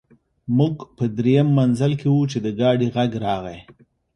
موږ په درېیم منزل کې وو چې د ګاډي غږ راغی